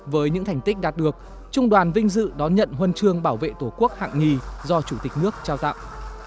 với những thành tích đạt được trung đoàn vinh dự đón nhận huân chương bảo vệ tổ quốc hạng nhì do chủ tịch nước trao tặng